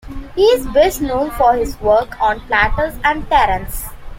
He is best known for his work on Plautus and Terence.